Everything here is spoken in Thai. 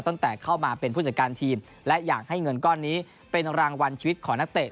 ตั้งแต่เข้ามาเป็นผู้จัดการทีมและอยากให้เงินก้อนนี้เป็นรางวัลชีวิตของนักเตะ